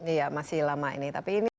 iya masih lama ini